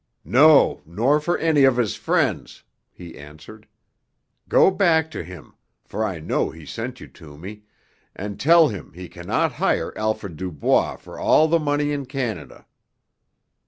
"No, nor for any of his friends," he answered. "Go back to him for I know he sent you to me and tell him he cannot hire Alfred Dubois for all the money in Canada."